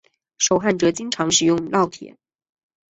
手焊则经常使用烙铁。